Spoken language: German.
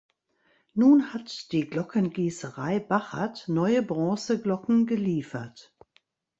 Nun hat die Glockengießerei Bachert neue Bronzeglocken geliefert.